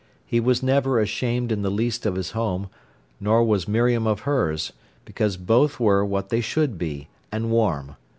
He was never ashamed in the least of his home, nor was Miriam of hers, because both were what they should be, and warm.